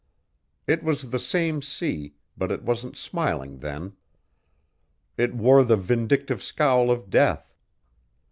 It was the same sea, but it wasn't smiling then. It wore the vindictive scowl of death.